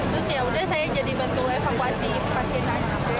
terus yaudah saya jadi bantu evakuasi pasien